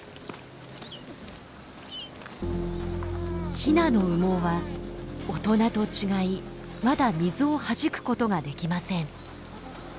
ヒナの羽毛は大人と違いまだ水をはじくことができません。